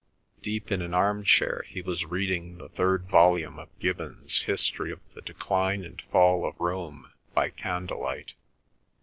Deep in an arm chair he was reading the third volume of Gibbon's History of the Decline and Fall of Rome by candle light.